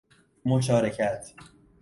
مشارکت